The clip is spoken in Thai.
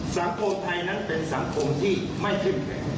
สังคมไทยนั้นเป็นสังคมที่ไม่เข้มแข็ง